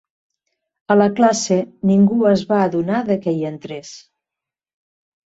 A la classe ningú es va adonar de que hi entrés